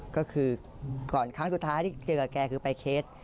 ก็คือก่อนครั้งสุดท้ายที่เจอกับแกคือไปเคส